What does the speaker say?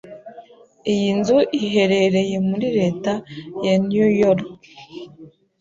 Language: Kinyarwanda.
Iyi nzu iherereye muri Leta ya New York